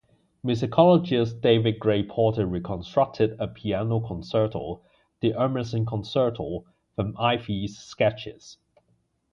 Musicologist David Gray Porter reconstructed a piano concerto, the "Emerson" Concerto, from Ives' sketches.